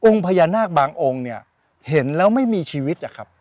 พญานาคบางองค์เนี่ยเห็นแล้วไม่มีชีวิตอะครับ